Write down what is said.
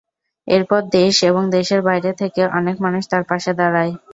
এরপর দেশ এবং দেশের বাইরে থেকে অনেক মানুষ তার পাশে দাঁড়ায়।